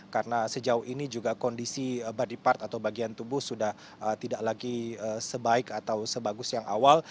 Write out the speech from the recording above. karena sejauh ini juga kondisi body part atau bagian tubuh sudah tidak lagi sebaik atau sebagus yang awal